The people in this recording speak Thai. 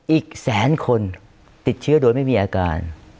อีกแสนคนติดเชื้อโดยไม่มีอาการ